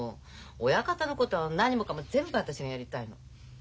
親方のことは何もかも全部私がやりたいの。